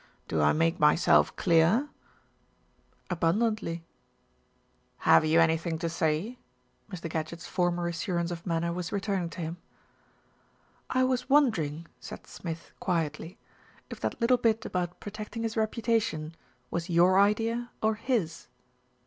Do I make myself clear?" "Abundantly." MR. GADGETT PAYS A CALL 247 "Have you anything to say?" Mr. Gadgett's for mer assurance of manner was returning to him. "I was wondering," said Smith quietly, "if that little bit about protecting his reputation was your idea or his."